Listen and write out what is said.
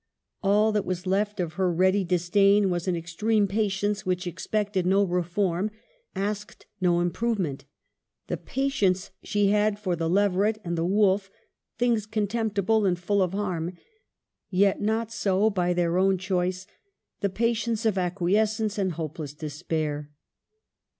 All that was left of her ready disdain was an extreme patience which expected no re form, asked no improvement ; the patience she had for the leveret and the wolf, things con temptible and full of harm, yet not so by their own choice ; the patience of acquiescent and hopeless despair.